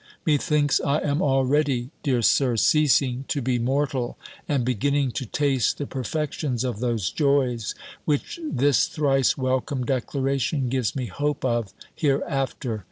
Methinks I am already, dear Sir, ceasing to be mortal, and beginning to taste the perfections of those joys, which this thrice welcome declaration gives me hope of hereafter!